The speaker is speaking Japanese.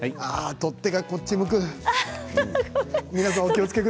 取っ手がこっち向く。